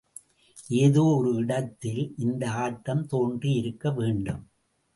ஏதோ ஒரு இடத்தில் இந்த ஆட்டம் தோன்றியிருக்க வேண்டும்.